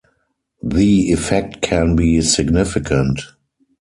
The effect can be significant.